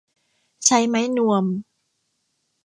ใช้ไม้นวม